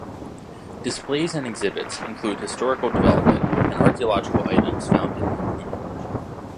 Displays and exhibits include historical development and archaeological items found in Lamphun.